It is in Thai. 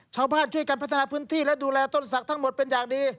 ช่วยกันพัฒนาพื้นที่และดูแลต้นศักดิ์ทั้งหมดเป็นอย่างดี